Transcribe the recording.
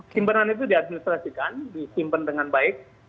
simpenan itu di administrasikan disimpen dengan baik